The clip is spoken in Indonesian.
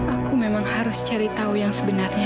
aku memang harus cari tahu yang sebenarnya